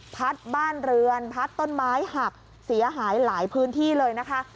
พัดบ้านเรือนพัดต้นไม้หักเสียหายหลายพื้นที่เลยนะคะ